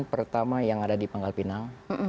pertama yang ada di pangkal pinang